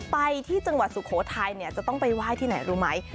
ไปที่จังหวัดสุโขทัยเนี่ยจะต้องไปไหว้ที่ไหนรู้ไหม